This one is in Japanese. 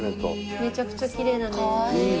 めちゃくちゃきれいだね。